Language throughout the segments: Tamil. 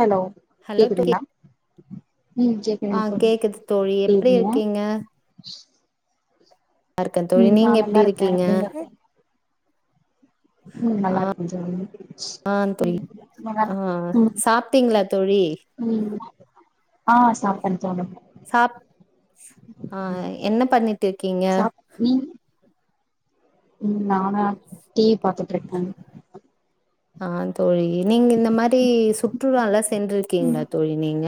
ஹலோ ஹலோ தோழி கேக்குதுங்ளா உ ஆ கேக்குது தோழி இருக்கீங்க எப்படிருக்கீங்க இருக்கே தோழி ம் நா நீங்க நல்லா இருக்கே எப்படிருக்கீங்க நீங்க ம் நல்லாருக்கே தோழி ஆ தோழி ம் ஆ நல்லாருக் ம் சாப்ட்டீங்களா தோழி ம் ஆ சாப்டேங் சாப் ஆ என்ன பண்ணிட்டுர்க்கீங்க சாப் நீங் ம் நானா டிவி பாத்துட்ருக்கோம் ஆ தோழி நீங்க இந்த மாரி சுற்றுலால்லா சென்றிருக்கீங்ளா ம் தோழி நீங்க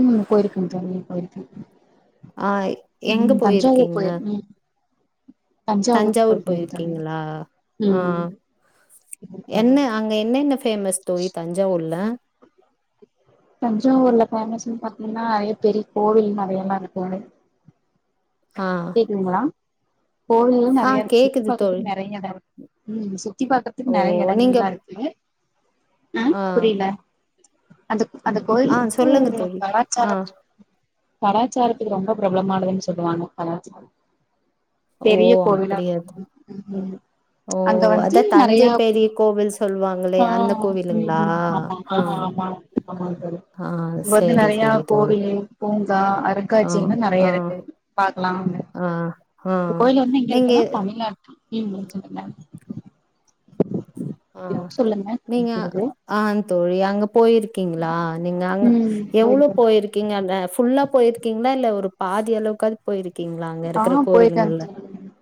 ம் போயிருக்கே தோழி போயிருக்கே ஆ எங்க ம் தஞ்சாவூர் போயிருக்கீங்க போய் ம் தஞ்சாவூர் போயிருக்கே தோழி போயிருக்கீங்களா ஆ ம் என்ன அங்க என்னென்ன ஃப் ஃபேமஸ் தோழி தஞ்சாவூர்ல தஞ்சாவூர்ல பேஃமஸ்ன்னு பாத்தீங்னா ஐய பெரிய கோவில் மலையெல்லா இருக்குமே ஆ கேக்குதுங்ளா கோயிலே எல்லாம் ஆ நிறைய இருக்கு சுத்தி கேக்குது தோழி பார்க்கறதுக்கு நிறைய இடம் இருக்கு ம் சுத்தி பார்க்கறதுக்கு ஓ நிறைய இடங்கள் நீங்க இருந்தாலுமே ஆ அது அந்த ஆ கோயிலுக்கு சொல்லுங்க தோழி ஆ கலாச்சாரம் கலாச்சாரத்துக்கு ரொம்ப பிரபலமானதுன்னு சொல்லுவாங்க கலாச்சாரம் ஓ பெரிய கோவிலா அப்படியா அது இருக்கு ம் ஓ அங்க வந்து அதா நெறைய தஞ்சை பெரிய கோவில் சொல்லுவாங்க அடடே ஆ அந்த கோவிலுங்களா ம் ஆமா ஆ ஆமா ஆமாங்க தோழி ஆ இங்க வந்து சேரி நிறைய சேரி தோழி கோவில் பூங்கா ஆ அருங்காட்சியெல்லா ஆ நிறைய இருக்கு பாக்கலாம் ஆ ஆ இந்த கோயில் வந்து எங்க நீங்க இருக்குன்னா தமிழ்நாட்டு ஈ மொச்ச [unintelligible] அ அ நீங்க ஆ தோழி அங்க போயிரிக் கீங்ளா நீங்க அங்க ம் எவுளோ போயிருக்கே போயிருக்கீங்க அந்த ஃபுல் உள்ள போயிருக்கீங்ளா இல்ல ஒரு பாதி அளவுக்காவ்து போய்ரிக் ஆ போய்ட்டங் தூலி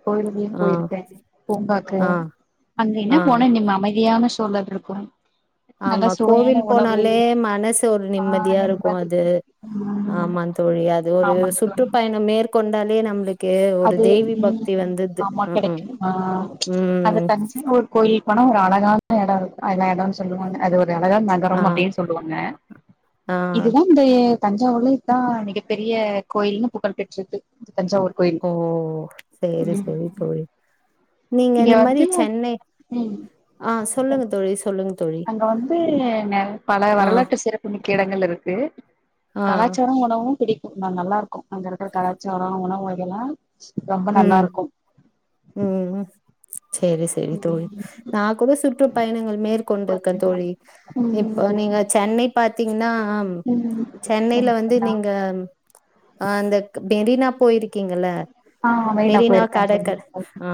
கோயில்க்கு உள்யு ஆ போயிருக்கே பூங்காக்கு ஆ அங்கு என்ன ஆ போன நிம் அமைதியான தோல விழுக்கு ஆமா கோவில் போனாலே மனசு ஒரு ஆ நிம்மதியா இருக்கு நிம்மதி அது ம் ஆமங் தோழி அது ஒரு ஆமாங் தோழி சுற்றுப்பயண மேற்கொண் தலே நம்ளுக் அது ம் ஆமா ம்ஹும் கெடக்கு ஆ அது ம் தஞ்சாவூர் கோயில் பொனோ ஒரு அழகான எடொ இருக் அத எடொன் சொல்லுவாங்க அது ஒர் இது அழகான் ஆ நகரம் அப்டின் சொல்லுவாங்க ஆ இதுதா ந்தே தஞ்சாவூர்லே இத்தா மிகப்பெரிய கோயில்னு புடல் பெச்சது இது தஞ்சாவூர் கொயில் ஓ சேரி சேரி தோழி நீங்க இங்க இந்த மாரி வந்து சென்னை ம் ஆ சொல்லுங்க தோழி சொல்லுங் அங்க வந்து நெ பல ஆ வரலாற்று சிறப்புமிக்க இடங்கள் இருக்கு ஆ கலாச்சாரோ உணவும் பிடிக் ந நல்லா இரு கு அந்த எடத்துல கலாச்சாரோ உணவு வ களா ரொம்ப நல்லா ம் இருக்கு ம் சேரி செரி தோழி ம் நாக்கூட சுற்றுப்பயணங்கள் மேற்க் கொண்டிர்க்க தோழி இப்ப நீங்க சென்னை பாத்திங் ன்னா அம் ம் சென்னைல வந்து செரிங்கண்ணா நீங்க அ அந்தக் மெரினா பொயிருக்கிங்கல ஆ மெரினா போயிருக்கே தோழி கடர்கர் ஆ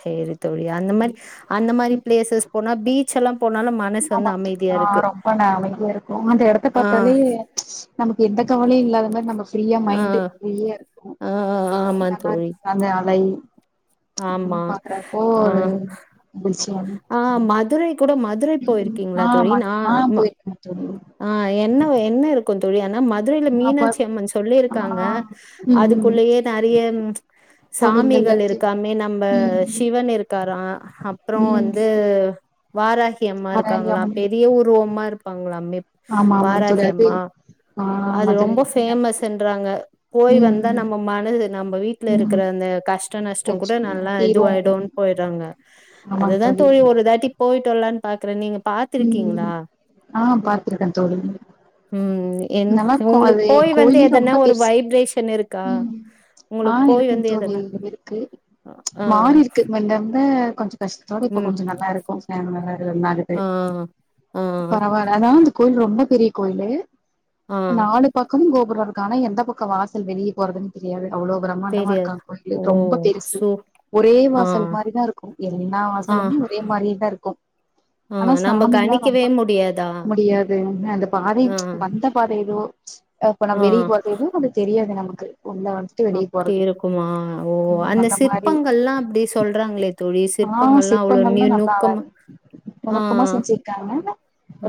சேரி தோழி அந்த மாரி அந்த மாரி பிளேசஸ் போனா பீச் எல்லா போனாலும் மனசு வந்து ஆமா அமைதியா ஆ இருக்கு ரொம்ப ந அமைதியா இருக்கு அந்த எடத்த ஆ பாத்தாலே நமக்கு எந்த கவலையு இல்லாத மாரி நம்ம ஃப்ரீயா ஆ மைண்டு ஃப்ரீயா இருக்கு ஆ ஆமா நல்லா தோழி இருக்கு அந்த அலை ம் ஆமா பாக்குறப்போ ஆ ஒரு ஆஹ் மதுரை கூட மது ஆமா ஆஹ் போயிருக்க தோ ஆஹ் என்ன என்ன இருக்கும் தோழி மதுரையில அப்ப மீனாட்சி அம்மன் சொல்லிருக்காங்க ஆ ம் ம் அதுக்குள்ளயே நறைய கோவில்கள்ல சாமிகள் இருக்கு இருக்காமே நம்ம ம் சிவன் இருக்காராம் அப்புறம் ம் வந்து வாராகி அம்மா இருக்காங்களாம் வராகியம்மன் பெரிய உருவம்மா இருக் பாங்களாமே ஆமா ஆமா தோழி வாராகி அது அம்மா ஆ அது மதுரை ரொம்ப பேஃபேமஸ்ன்றாங்க போய் வந்தா ம் நம்ம மனது நம்ம வீட்ல இருக்கிற ம் அந்த கஷ்ட நஷ்டம் கூட நல்லா தீரு இதுவாயிடும்னு போயறாங்க அதுதான் தோழி ஒரு தாட்டி போயிட்டுவல்லானு பாக்குற நீங்க ம் ஆஹ் பாத் ருக்கேன் தோழி ம் என் நமக்கும் உங்களுக்கு அது போய் வந்து கோயில் எதனா ரொம்ப ஒரு பெருசு வைப்ரேஷன் இருக்கா உம் ஆ உங்களுக்கு போய் வந்து இருக்குன்னு தோழி எதனா இருக்கு ஆ மாறி இருக்கு மண்டந்த கொஞ்சம் கஷ்ட இப்ப ம் கொஞ்சம் நல்லா இருக்கும் [unintelligible] [unintelligible] ஆகுது ஆஹ் ஆஹ் கோவில் ரொம்ப பெரிய கோயிலு ஆ நாலு பக் பக்கம் கோபுரோ இருக்கும் ஆனா எந்த பக்க வாசல் வெளிய போறதுன்னு தெரியாது அவ்வளவு பிரம்மாண்டமா தெரியாது இருக்கான் கோயிலு ஓ ரொம்ப பெருசு சூ ஒரே ஆ வாசல் மாரிதான் இருக்கும் எல்லா ஆ வாசலுமே ஒரே மாரியேதான் இருக்கும் ஆ நம்ம சாமிங்கல்லாம் கணிக்கவே ரொம்ப முடியாதா? முடியாது அந்த பாதை ஆ வந்த பாதை யோச் அப்ப நா ஆ வெளியே போறத்துகு எது நம்ப்ளுக் தெரியாது நம அப்டி இருக்குமா ஓ ம் அந்த மாரி சிற்பங்கள்லா அப்டி சொல்றாங்ளே தோழி ஆ சிற்பங்கள்லா அவ்ளோ சிற்பங்கள்லா நீல் நல்லா அழகா நுக்கமா நுணுக்கமா செஞ்சிர்க்காங்க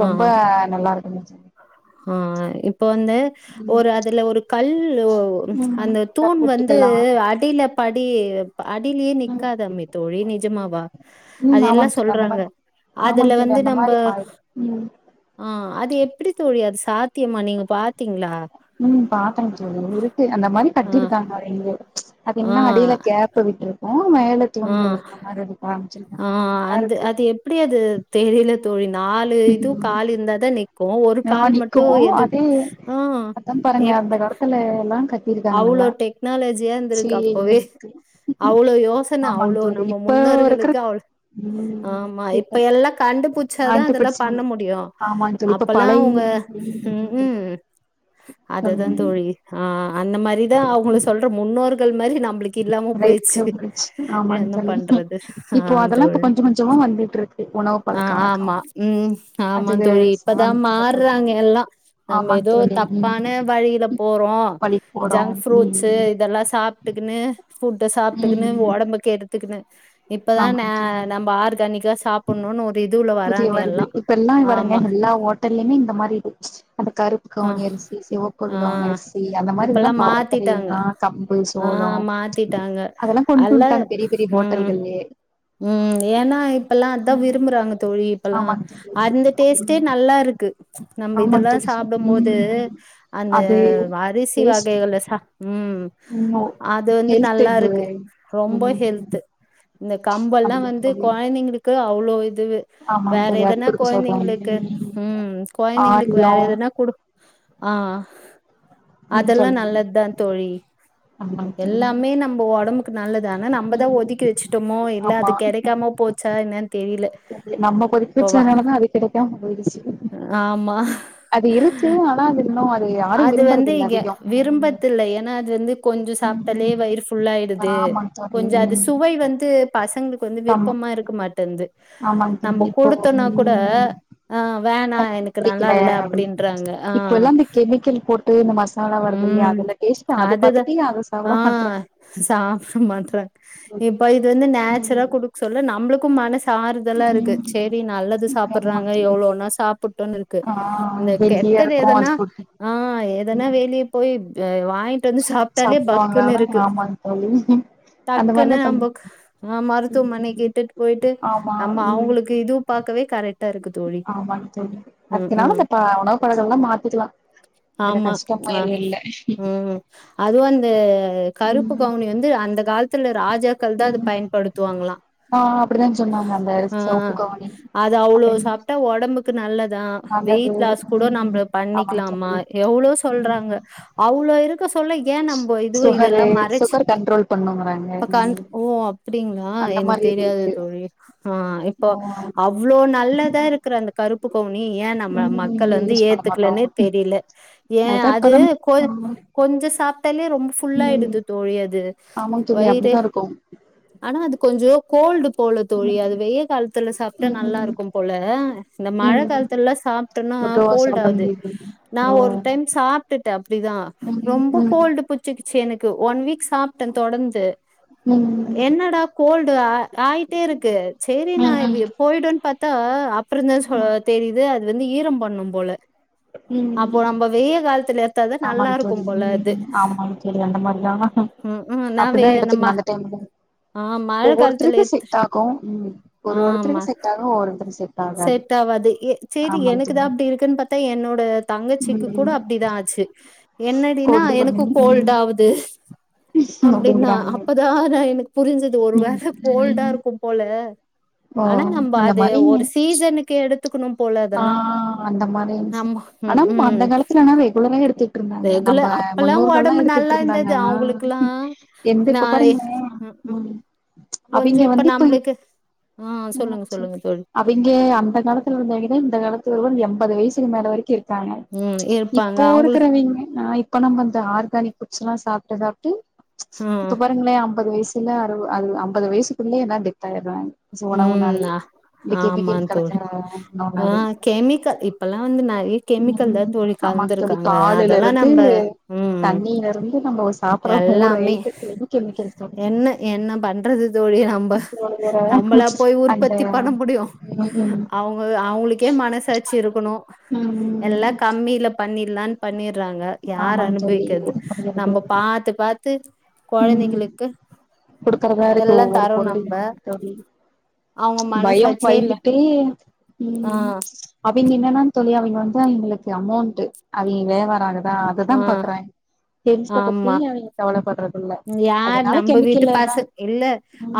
ரொம்ப ந நல்லாருக்குங்க [unintelligible] ஆஹ் இப் ப்ப வந்து ஒரு அதுல ஒரு கல் ஒ ம் அந்த தூண் வந்து கருப்பொட்டிக்கல்லா அடியில படி ப அடிலியே நிக்காதாமே தோழி நிஜமாவா ம் அது எல்லா ஆமாங்க தோழி அந்த சொல்றாங்க மாரி அதுல ஆமாங்க தோழி வந்து அந்த நம்ப மாரி பாய் ம் அ அது எப் ப்டித்தோழி அது சாத்தியமா நீங்க பாத்தீங்ளா உம் பாத்தங் தோழி இருக்கு அந்த மாரி ஆ கட்டிருக்காங்க [unintelligible] அது ஆ இன்னு அடியில கேப்பு விட்ருக் உ மேல தூண்கள் இருக்கா மாரி இருக்கறாங் ஆஹ் அந்து அது எப்டி அது தெரில அ தோழின் நாலு இதுவு கால் இர்ந்தாதா நிக்கு ஒரு ஆ கால் நிக்கு மட்டு எதுப் அதே ஆ அதா பாருங்க எப்ட் அந்த காலத்துல எல்லா கட்டிருக்காங்க அவ்ளோ நல்லா டெக்னா யா சீ இந்திருக்கு அப்பவே அவ்ளோ யோசன ஆமாங்க அவ்ளோ தோழி நம்ப இப்போ இருக்கிற முன்னோர்களுக்கு அவுள் ஆமா இப்ப ம் எல்லா கண்டுபுச்சாதா நென்த்து அதெல்லா படிச்சீங்க பண்ண முடியு ஆமாங் தோழி இப்ப அப்பல்லா அவுங்க பழைய உம் உம் அத தாந் சொல்லுங்க தோழி ஆஹ் அந்த மாரிதா அவுங்கள சொல்ற முன்னோர் கள் மரி ஆமாங் என்ன தோழி பண்றது? ஆ இப்போ அதெல்லா இப்ப தோழி. கொஞ்சொ கொஞ்சொமா வந்துட்டு இருக்கு உணவு பழக்க வழக்கோ ஆமாந் அதுக்கு தோழி இப்பதா சாமி கும்பட்றது மார்றாங்க எல்லா நம்ப ஆமாங் எதோ தோழி ம் தப்பான வழியில போறோ பள்ளிக்கு போறோ ஜங்க் ம் ஃப்ரூட்ஸூ ம் இதெல்லா சாப்ட்டுக்குனு ஃபுட்ட ம் சாப்ட்டுக்குனு ம் ஒடம்ப கெடு த்துக்குன இப்பதா ந நம்ப ஆர்கானிக்கா சாப்புட்ணுன்னு ஒரு இதுவுல புத்தியே வராங்க வருது இப்ப எல்லா வாருங்க ஆமா எல்லா ஓட்டல்லிமே இந்த மாரி இது அந்த கருப்பு ஆ கவுணி அரிசி சிவக்கோழு ஆ கவுணி அரிசி த அந்த மாதிரி இப்பல்லா இதெல்லாம் பாரம்பரிய மாத்திட்டாங்க ஆ கம்பு ஆ சோளோ மாத்திட்டாங்க அதெல்லா கொண்டுவந்ட்டாங்க பெரிய பெரிய ஹோட்டல்கள்லயே உம் ஏனா ப்பல்லா அத்தா ம் விரும்புறாங்க தோழி இப்பல்லா ஆமாங்க தோழி அந்த டேஸ்ட்டே ம் நல்லா இருக்கு நம்ம ஆமாங்க இதெல்லா தோழி சாப்டம்போது ம் அந்த அது அரிசி டேஸ்ட் வகைகள்ல சா உம் ம் அது வந்துட் ஹெல்த் நல்லா இது இருக்கு ரொம்ப ம் ஹெல்த்து கம்பல்லாம் நம்மளுக்கு வந்து அது கொழந்தைங்களுக்கு அவ்ளோ இது து ஆமாங்க வேற தோழி அது எதனா குடுக்க சொல்றாங்க கொழந்தைங்களுக்கு ம் உம் கொழந்தைங்களுக்கு ஆடியோ வேற எதனா குடுக் ஆஹ் ம் அதெல்லாம் சொல்லுங்க நல்லதுதான் தோழி ஆமாங்க தோழி எல்லாமே நம்ம உடம்புக்கு நல்லது ஆனா நம்மதான் ம் ஒதுக்கி வச்சுட்டோமோ எ இல்ல ஆமா அது கெடைக்காம போச்சா என்னன்னு தெரில நம்ம கொதிக்க இப்போவா வச்சதுனாலதா அது கெடைக்காம போயிடுச்சு ஆமா அது இருக்கு ஆனா அது இன்னு அது யாரு அது விரும்புறது வந்து இல்ல இங்க அதிகோ விரும்பத்து இல்ல ஏன்னா அது வந்து கொஞ்சோ ம் சாப்ட்டாலே ம் வயிறு ஃபுல்லாயிடுது ஆமாங்க தோழி கொஞ்ச அது ம் சுவை வந்து பசங்களுக்கு வந்து ஆமா விருப்பமா இருக்க மாட்டேன்து ஆமாங்க தோழி நம்ம குடுத்தோம்னா கூட ஆஹ் [unintelligible] புடிக்கல அப்டினு இப்பல்லாம் அந்த கெமிக்கல் போட்டு இந்த மஸ் உம் அதுதான் அத சாப்ட ஆஹ் மாட்றாங்க சாப்ட மாட்றாங்க இப்ப இது வந்து நேச்சுரலா குடுக்க சொல்ல நம்மளுக் கும் மனசு கு ஆறுதலா ம் இருக்கு ம். சேரி நல்லது ஆமா சாப்புட்றாங்க தோழி எவ்வளோன்னா சாப்புட் டுன்னு இருக்கு ஆ இந்த ஹெல்தியா கெட்ட இருக்கு அது எதனா ஃபுட்டு ஆஹ் எதனா போய் [unintelligible] வாங் வாங்கிட்டு வந்து சாப்ட்டாலே பக்குன்னு சாப்டுவாங்களானா இருக்கு ஆமாங்க தோழி அந்த டக்குன்னு மாரிதா பண்ணு நம்மக் ஆஹ் மருத்துவமனை கிட்டுட்டு போயிட்டு நம்ம அவுங்களுக்கு இது பாக்கவே கரெக்ட் ஆமாங் தோழி அடுத்த நாள் ம் இந்த ப உணவு பழக்கங்கல்லாம் மாத்திக்கலாம் இதுல ஆமா கஷ்டம் ஆ உம் அதுவும் அந்த கருப்பு கவுனி வந்து அந்த காலத் ராஜாக்கள் தான் அது ம் பயன்படுத்துவாங்களாம் ஆ அப்டிதா சொன்னாங்க அந்த செவப்பு ஆஹ் கவுனி அது அவ்ளோ அப்டின்னு சாப்ட்டா உடம்புக்கு கு நல்ல தான் நல்லது வெயிட் லாஸ் கூட ம் நம்ம ஆமாங்க பண்ணிக்கலாமா தோழி எவ்ளோ சொல்றாங்க அவ்ளோ இருக்க சொல் ஏன் நம்ம இது சுகரு இதெல்லாம் மறைச்சு சுகர் கண்ட்ரோல் பண்ணுங்கறாங்க இப்ப கன் ம் ஓ அப்டிங்களா அந்த எனக்கு மாரி இது தெரியாது இருக்கு தோழி ஆஹ் இப்போ ஓ அவ்ளோ நல்லதா இருக்கிற அந்த கருப்பு கவுனி ஏன் நம்ம ம் மக்கள் வந்து யூஸ் பண்ண மாட்டோ ஏத்துக்கலன்னே தெரில ஏன் அதா அது இப்பதா கொ ஆமா கொஞ்சோ சாப் டாலே ரொம்ப ம் ஃபுல்லாய்டுது தோழி அது ஆமாங்க தோழி வயிறு அப்டிதா இருக்கு ஆனா அது கொஞ்சோ கோ கோல்டு போல தோழி அது வெய காலத்துல சாப்பிட்டா ம் நல்லா ம் இருக்கும் போல இந்த மழை ம் காலத்துலல்லாம் சாப்பிட்டோம்னா ஒட்டுவா கோல்ட் சாப்ட ஆவுது முடியுது நா ஓ ஒரு சாப்ட்டுட்டு அப் அப்டிதா ம் ரொம்ப ம் ம் கோல்டு புச்சிகிச் சி எனக்கு ஒன் வீக் சாப்ட்ட தொடந்து ம் என்னடா கோல்டு ஆ ஆயிட்டே இருக்கு சேரி நா ம் இது போய்டும்ன்னு பாத்த த்தா அப் அப்பறந்தா சொ தெரியுது அது வந்து ஈரம் பண்ணும் போல ம் அப்போ நம்ம வெய்ய காலத்துல எத்தாதா நல்லா ஆமாங் தோழி இருக்கும் போல அது ம் ஆமாங் தோழி அந்த மாரிதா ம் ம் நா வே நம்ம ஆ மழ காலத்துல எத்து ஆமா ஆகாது செட் ஆவாது எ சேரி ஆமாங்க எனக்குதா தோழி அப்டி இருக்குன்னு பத்தா என்னோட தங்கச்சிக்கு கூட ம் அப்டிதா ஆச்சி என்னடினா கொண்டு எனக்கும் கோல்ட் ஆவுது அப்டின்னா அப்டிங்கிறாங்க அப்பதா நா எனக்கு புரிஞ்சது ஒரு ம் வேள கோல்டா இருக்கு போல ஓ அந்த மாரி சீஸனுக்கு எடுத்து ஆ அந்த மாரி இருந்துச்சு ஆமா ஆனா ம் அந்த ம் காலத்துலனா ரெகுலரா எடுத்துட்டு இருந்தாங்க நம்ம ரெகுலர் அப்பல்லா முன்னோர்கல்லா ஒடம்பு எடுத்துட்டு நல்லா இருந்தாங்க இருந்தது ஆ அவங்களுக்குல்லா எந்த நா இப்ப பாருங்க ம் ம் கொஞ்சோ அவிங்க வந்து இப்ப நம்பளுக்கு ஆ சொல்லுங்க என்னாச்சு சொல்லுங்க தோழி அவிங்க அந்த காலத்துல இருந்த இந்த காலத்தில ஒருவன் எண்பது வயசுக்கு மேல வரைக்கு இருக்க க்காங்க ம் இருப்பாங்க இப்போ அவங்களுக்கு இருக்கிறவிங்க நா இப்ப நம்ம வந்து ஆர்கானிக் ஃபுட்ஸ்லா சாப்டு சாப்டு ம் இப்போ பாருங்களோ ஐம்பது வயஸ் சில அறு அம்பது வயசுக்குள்ளயே எல்லா டெத் ஆயிராங்க ம் உணவுனாலயே ஆ இந்த ஆமா கெமிக்கல் கலக் தோழி ஆ கெமிக்கல் இப்பெல்லா வந்து நெறைய கெமிக்கல் தா ம் தோழி ஆமாங்க தோழி கலந்துருக்காங்க பாலுல அதெல்லா இருந்து நம்ப ம் ம் தண்ணியில இருந்து நம்ம சாப்டுற ஒவ்வொரு எல்லாமே ஐட்டத்துலயு கெமிக்கல் தோழி என்ன என்ன பண்றது தோழி நம்ப தோழி வேற நம்பளா போய் அந்த உற்பத்தி பண்ண முடியு ம் அவங்க அவங்களுக்கே மனசாட்சி இருக்கணு எல்லா ம் கம்மியில பண்ணி ப்ளான் பண்ணிறாங்க யார் ஆமாங்க தோழி அனுபவிக்கறது நம்போ பாத்து பாத் து ம் கொழந்தைங்கிலுக் குடுக்கறதா இருக்கு ஒவ்வொரு பொருளையு நம்ப ஆமா தோழி அவங்க பயோ மனசாட்சியே இல்ல பயந்துட்டே ஆ உம் அவிங்க என்னன்னா சொல்லி அவிங்க வந்து அவிங்களுக்கு அமௌண்டு அவிங்க வேவாரோ நா அதுதா ஆ பாக்குற தெம்ஸ்ட பத்தி ஆமா அவிங்க கவல [inaudible] யார் அதனால நம்ம வீட்டு கெமிக்கல்லன பச இல்ல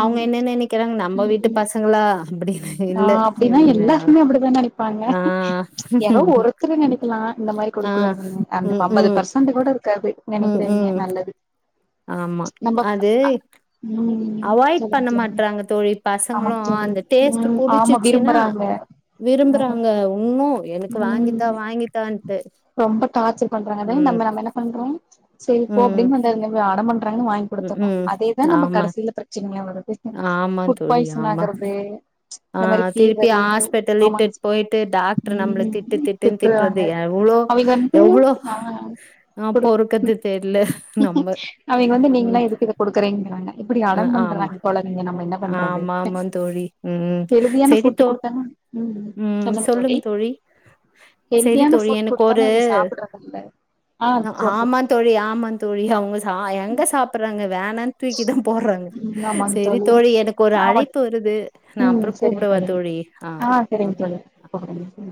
அவங்க என்ன நெனைக்கிறாங்க நம்ம வீட்டு உம் பசங்களா அப்டின்னு இல்ல ஆஹ் அப்டின்னா எல்லாருமே அப்டித்தா நெனைப்பாங்க ஆ யாரோ ஒருத்தர் நெனைக்கலா இந்த மாரி ஆ குடுக்கூடாது அந்த ம் அம்பது ம் பர்சென்ட் கூட இருக்காது ம் ம் நெனக்கிறிங்க நல்லது ஆமா நம்ம அது ம் அவாய்ட் சொல்லுங்க பண்ண தோழி மாட்றாங்க தோழி பசங்களு ஆமாங்க தோழி அந்த டேஸ்ட் ம் ஆமா புடிச்சிருச்சின்னா விரும்புறாங்க விரும்புறாங்க இன்னு எனக்கு ம் வாங்கித்தா வாங்கித்தான்ட்டு ரொம்ப உம் செரி போ அப்டின்னு வந்துருங்க அடம் பன் ராங்க வாங்கி ம் குடுத்துரோ ம் அதேதா நமக்கு ஆமா கடசியில பெரச்சினியா வரு ஃபுட் பாய்ஸன் ஆகறது ஆஹ் திருப்பி ஹாஸ்பிட்டல் இட்டு போயிட்டு டாக்டர் நம்மளை ம் திட்டு திட்டுன்னு திட்டுறாங்க திட்டுறது எவ்வளோ அவிங்க வந்து எவ்வளோ ஆ அஹ் குடு பொறுக்குது தெரியல அவிங்க வந்து நீங்களாம் இதுக்கு இதை கொடுக்குறீங்கிறாங்க இப்படி அ அடம் ஆமா பண்றாங்க குழந்தைங்கம் ஆமா ஆமா தோழி உம் ஹெல்தியான சரி ஃபுட் தோழி குடுத்தாங்க ம் உம் சொல்லுங்க தோழி சரி ஹெல்தியான தோழி ஃபுட் எனக்கு குடுத்தாங்க ஒரு அவிங்க சாப்புட்றது இல்ல ஆ ஆமா தோழி ஆமா தோழி அவுங்க எங்க சாப்டுறாங்க வேணானு தூக்கி தான் போடுறாங்க ம் ஆமாங்க செரி தோழி எனக்கு ஒரு ஆமா அழைப்பு வருது நான் ம் அப்புறம் சரிங்க கூப்பிடுவேன் தோழி ஆ சரிங்க ஆஹ்ஹ தோழி கூப்புடுங்க